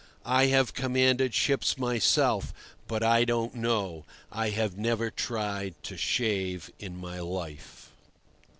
I have commanded ships myself, but I don't know; I have never tried to shave in my life.